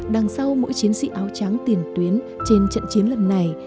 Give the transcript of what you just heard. đằng sau mỗi chiến sĩ áo trắng tiền tuyến trên trận chiến lần này